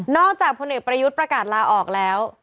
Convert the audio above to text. จากพลเอกประยุทธ์ประกาศลาออกแล้ว